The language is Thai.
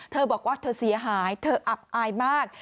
เธอบอกว่าเธอเสียหายเธออับอายมาก